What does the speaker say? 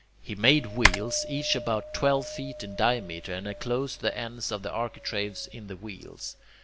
He made wheels, each about twelve feet in diameter, and enclosed the ends of the architraves in the wheels.